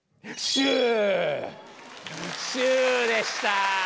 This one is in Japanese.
シューでした。